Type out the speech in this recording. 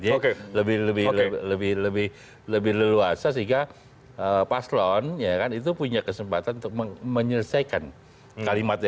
jadi lebih leluasa sehingga paslon itu punya kesempatan untuk menyelesaikan kalimatnya